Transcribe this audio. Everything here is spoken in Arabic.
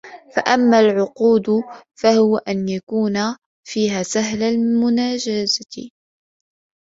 فَأَمَّا الْعُقُودُ فَهُوَ أَنْ يَكُونَ فِيهَا سَهْلَ الْمُنَاجَزَةِ